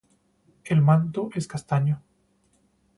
El manto es castaño.